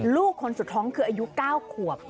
ลูกคนสุดท้องคืออายุ๙ขวบ